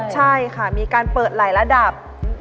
ใช่ค่ะมีการเปิดหลายระดับ